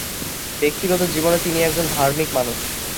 ব্যক্তিগত জীবনে তিনি একজন ধার্মিক মানুষ।